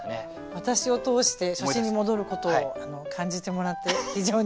私を通して初心に戻ることを感じてもらって非常に光栄です。